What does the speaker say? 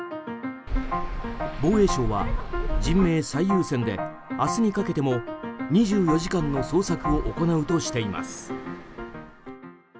防衛省は人命最優先で明日にかけても２４時間の捜索を行うとしています。